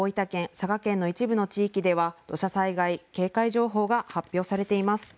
佐賀県の一部の地域では土砂災害警戒情報が発表されています。